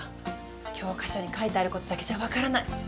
教科書に書いてあることだけじゃ分からない。